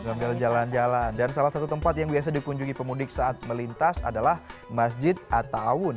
sambil jalan jalan dan salah satu tempat yang biasa dikunjungi pemudik saat melintas adalah masjid atta awun